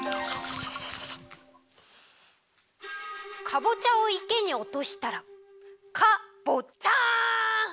かぼちゃをいけにおとしたらカボッチャン！